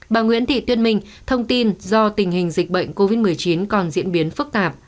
bà nguyễn thị tuyết minh thông tin do tình hình dịch bệnh covid một mươi chín còn diễn biến phức tạp